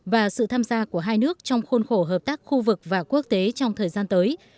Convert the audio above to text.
và sự tham gia của hai nước trong khuôn khổ hợp tác khu vực và quốc tế trong thời gian tới